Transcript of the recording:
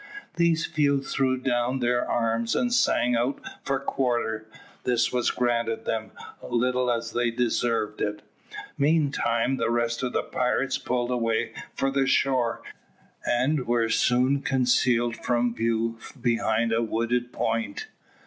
These few threw down their arms and sang out for quarter. This was granted them, little as they deserved it. Meantime the rest of the pirates pulled away for the shore, and were soon concealed from view behind a wooded point.